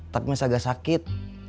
tapi masih agak sakit